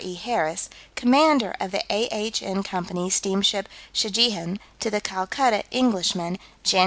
E. Harris, Commander of the A.H.N. Co.'s steamship Shahjehan, to the Calcutta Englishman, Jan.